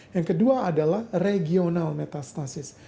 yang kedua adalah regional metastasis